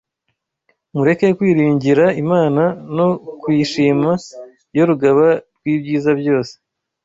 Mureke kwiringira Imana no kuyishima yo Rugaba rw’ibyiza byose